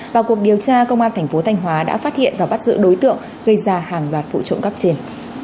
vào cuộc điều tra công an thành phố thanh hóa đã phát hiện và bắt giữ đối tượng gây ra hàng loạt vụ trộm cắp trên